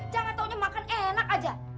jangan taunya makan enak aja